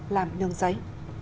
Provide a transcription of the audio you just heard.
làm nương giấy